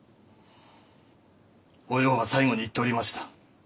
おようが最後に言っておりました。